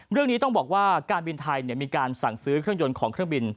เรื่องนี้ต้องบอกว่าการบินไทยมีการสั่งซื้อเครื่องยนต์ของเครื่องบิน